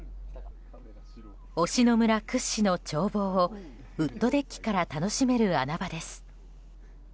忍野村屈指の眺望をウッドデッキから楽しめる穴場です。